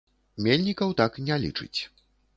Мельнікаў так не лічыць.